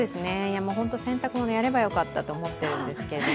本当洗濯物やればよかったと思ってるんですけど。